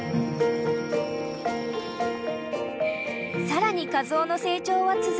［さらに］